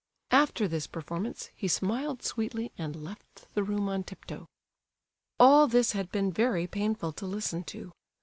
After this performance, he smiled sweetly and left the room on tiptoe. All this had been very painful to listen to.